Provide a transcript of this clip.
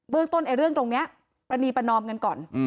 เรื่องต้นเรื่องตรงนี้ปรณีประนอมกันก่อน